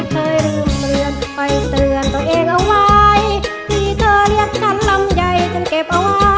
สู้นะครับ